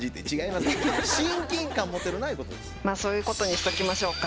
まあそういうことにしときましょうか。